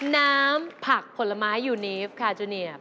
น้ำผักผลไม้ยูนีฟคาจูเนียบ